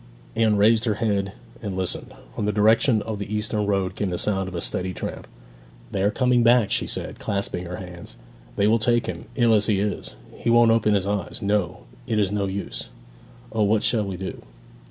Anne raised her head and listened. From the direction of the eastern road came the sound of a steady tramp. 'They are coming back!' she said, clasping her hands. 'They will take him, ill as he is! He won't open his eyes no, it is no use! O, what shall we do?'